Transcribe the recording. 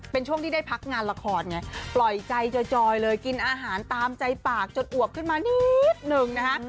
เป็นช่วงที่ได้พักงานละครไงปล่อยใจจอยเลยกินอาหารตามใจปากจนอวบขึ้นมานิดนึงนะคะ